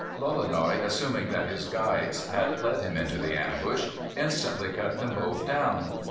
Lolonois, assuming that his guides had led him into the ambush, instantly cut them both down.